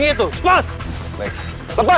oh good kalian ikut semua